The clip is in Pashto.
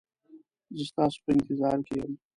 زه ستاسو په انتظار کې یم